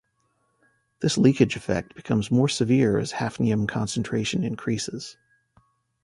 This leakage effect becomes more severe as hafnium concentration increases.